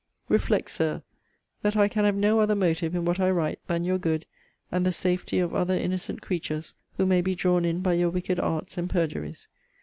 Reflect, Sir, that I can have no other motive, in what I write, than your good, and the safety of other innocent creatures, who may be drawn in by your wicked arts and perjuries.